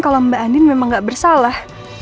kalau mbak andin memang nggak bersalah